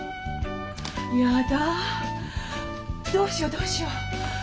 やだどうしようどうしよう。